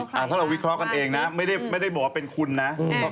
ถ้าเราวิเคราะห์กันเองนะไม่ได้บอกว่าเป็นคุณนะ